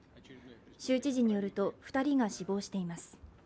州知事によると２人が死亡しています。